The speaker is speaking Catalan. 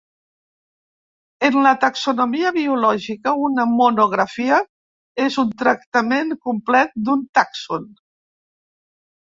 En la taxonomia biològica una monografia és un tractament complet d'un tàxon.